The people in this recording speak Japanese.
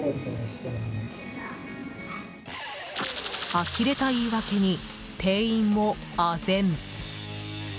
呆れた言い訳に、店員もあぜん。